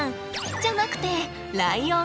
じゃなくてライオン。